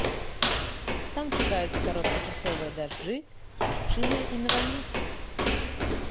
Там чакаюцца кароткачасовыя дажджы, магчымыя і навальніцы.